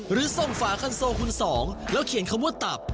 หรือส่งฝาคันโซคุณสองแล้วเขียนคำว่าตับ